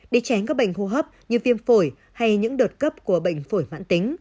để tránh các bệnh hô hấp như viêm phổi hay những đợt cấp của bệnh phổi mãn tính